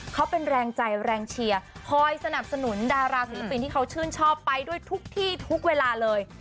เขาเป็นแรงใจแรงเชียร์คอยสนับสนุนดาราศิลปินที่เขาชื่นชอบไปด้วยทุกที่ทุกเวลาเลย